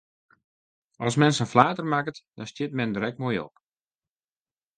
As men sa'n flater makket, dan stiet men der ek moai op!